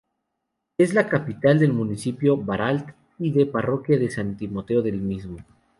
Es capital del municipio Baralt y de la Parroquia San Timoteo del mismo.